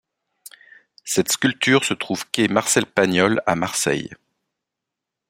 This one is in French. Cette sculpture se trouve quai Marcel Pagnol à Marseille.